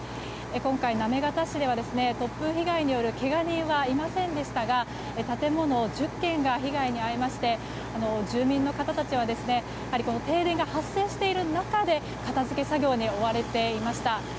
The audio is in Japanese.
今回、行方市では突風被害によるけが人はいませんでしたが建物１０軒が被害に遭いまして住民の方たちは停電が発生している中で片づけ作業に追われていました。